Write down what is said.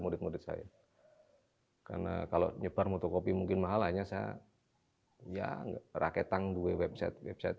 murid saya karena kalau sebar untuk kopi mungkin mahal hanya saya ya raketan website website